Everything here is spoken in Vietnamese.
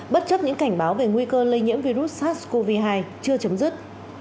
bất chấp những cảnh báo về nguy cơ lây nhiễm virus sars cov hai chưa chấm dứt